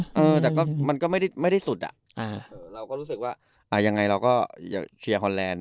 เออแต่ก็มันก็ไม่ได้สุดอ่ะเราก็รู้สึกว่าอ่ายังไงเราก็อย่าเชียร์ฮอนแลนด์